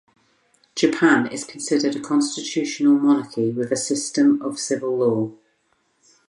Japan is considered a constitutional monarchy with a system of civil law.